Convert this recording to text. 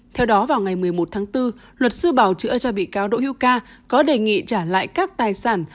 theo đó vào ngày một mươi một tháng bốn luật sư bảo chữa cho bị cáo đỗ hiu ca có đề nghị trả lại các tài sản